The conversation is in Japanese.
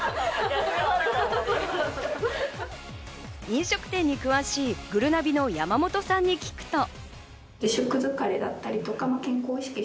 飲食店に詳しい、ぐるなびの山本さんに聞くと。